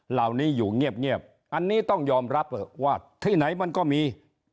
เหล่านี้อยู่เงียบอันนี้ต้องยอมรับว่าที่ไหนมันก็มี